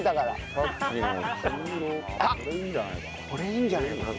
これいいんじゃないかな。